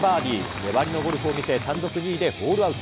粘りのゴルフを見せ、単独２位でホールアウト。